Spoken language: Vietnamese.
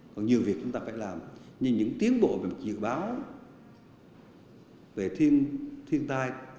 còn nhiều việc chúng ta phải làm như những tiến bộ về dự báo về thiên thiên tai